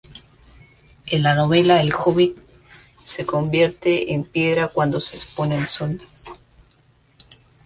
En la novela "El hobbit" se convierten en piedra cuando se exponen al Sol.